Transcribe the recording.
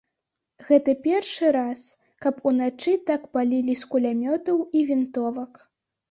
Гэта першы раз, каб уначы так палілі з кулямётаў і вінтовак.